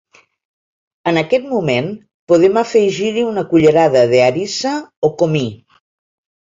En aquest moment, podem afegir-hi una cullerada de harissa o comí.